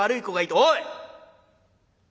「おい！